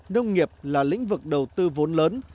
nông nghiệp là lĩnh vực đầu tư vốn lớn